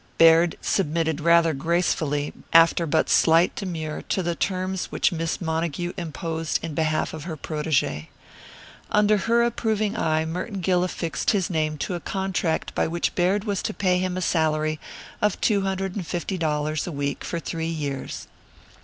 Baird submitted rather gracefully, after but slight demur, to the terms which Miss Montague imposed in behalf of her protege. Under her approving eye Merton Gill affixed his name to a contract by which Baird was to pay him a salary of two hundred and fifty dollars a week for three years.